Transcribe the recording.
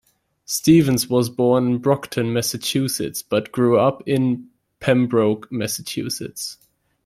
Stevens was born in Brockton, Massachusetts, but grew up in Pembroke, Massachusetts.